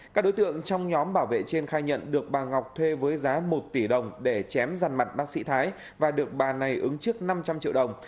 các đối tượng trong nhóm bảo vệ trên khai nhận được bà ngọc thuê với giá một tỷ đồng để chém rằn mặt bác sĩ thái và được bà này ứng trước năm trăm linh triệu đồng